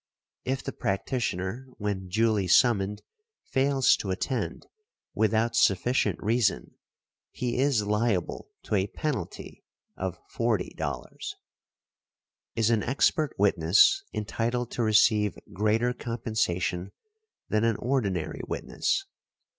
If the practitioner when duly summoned fails to attend, without sufficient reason, he is liable to a penalty of $40 . Is an expert witness entitled to receive greater compensation than an ordinary witness?